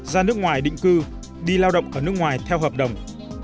ra nước ngoài định cư đi lao động ở nước ngoài theo hợp đồng